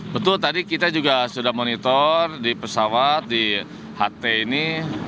betul tadi kita juga sudah monitor di pesawat di ht ini